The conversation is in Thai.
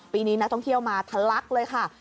ปีนี้นักท่องเที่ยวมาทะลักเลยค่ะ